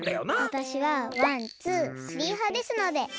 わたしは「ワンツースリー」はですので。